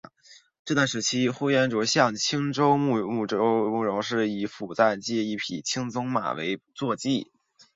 这段时期呼延灼向青州慕容知府暂借一匹青鬃马为坐骑。